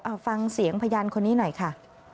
เอาฟังเสียงพยานคนนี้หน่อยค่ะ